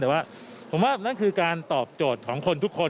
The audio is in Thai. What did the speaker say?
แต่ว่าผมว่านั่นคือการตอบโจทย์ของคนทุกคน